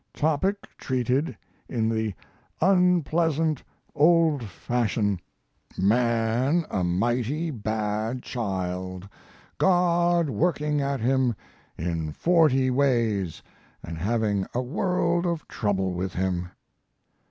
Topic treated in the unpleasant, old fashion: Man a mighty bad child, God working at him in forty ways and having a world of trouble with him.